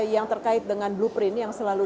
yang terkait dengan blueprint yang selalu